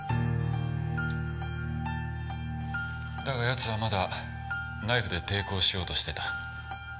だがやつはまだナイフで抵抗しようとしてた。